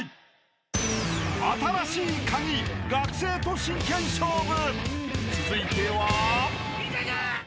［『新しいカギ』学生と真剣勝負！］